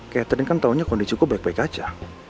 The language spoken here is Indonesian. catherine kan taunya kondisi gue baik baik aja